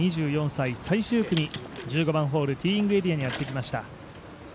２４歳、最終組、１５番ホール、ティーイングエリアにやってきました。